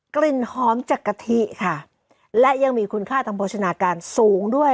กลิ่นหอมจากกะทิค่ะและยังมีคุณค่าทางโภชนาการสูงด้วย